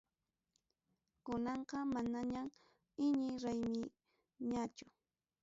Kunanqa manañam iñiy raymiñachu.